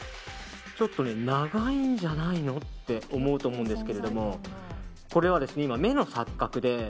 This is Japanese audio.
ちょっと長いんじゃないの？って思うと思うんですけどこれは今、目の錯覚で。